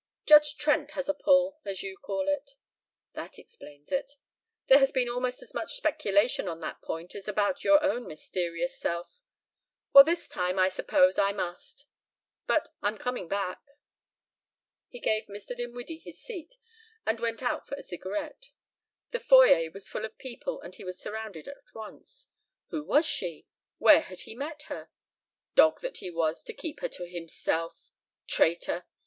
"Judge Trent has a pull, as you call it." "That explains it. There has been almost as much speculation on that point as about your own mysterious self. Well, this time I suppose I must. But I'm coming back." He gave Mr. Dinwiddie his seat and went out for a cigarette. The foyer was full of people and he was surrounded at once. Who was she? Where had he met her? Dog that he was to keep her to himself! Traitor!